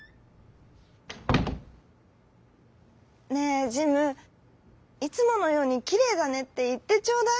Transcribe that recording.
「ねえジムいつものように『きれいだね』っていってちょうだい。